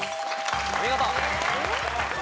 お見事。